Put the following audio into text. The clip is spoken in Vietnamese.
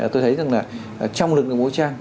tôi thấy rằng là trong lực lượng vũ trang